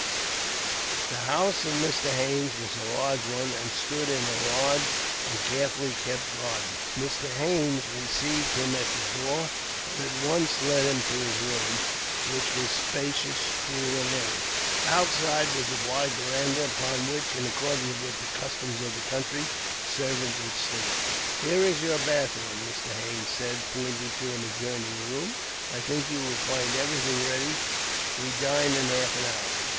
The house of Mr. Haines was a large one, and stood in a large and carefully kept garden. Mr. Haines received him at the door, and at once led him to his room, which was spacious, cool, and airy. Outside was a wide veranda, upon which, in accordance with the customs of the country, servants would sleep. "Here is your bathroom," Mr. Haines said, pointing to an adjoining room. "I think you will find everything ready. We dine in half an hour."